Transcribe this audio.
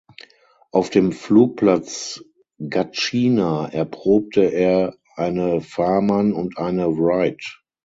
Auf dem Flugplatz Gattschina erprobte er eine Farman und eine Wright.